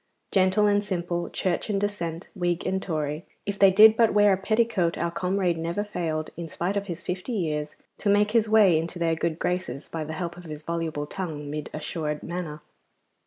Gentle and simple, Church and Dissent, Whig and Tory, if they did but wear a petticoat our comrade never failed, in spite of his fifty years, to make his way into their good graces by the help of his voluble tongue mid assured manner.